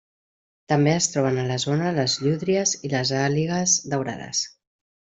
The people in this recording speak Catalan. També es troben a la zona les llúdries i les àligues daurades.